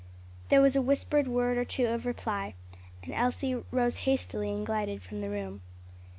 There was a whispered word or two of reply, and Elsie rose hastily and glided from the room.